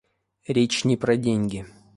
Речь не про деньги.